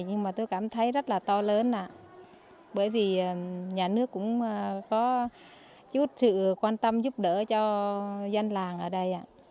nhưng mà tôi cảm thấy rất là to lớn bởi vì nhà nước cũng có chút sự quan tâm giúp đỡ cho dân làng ở đây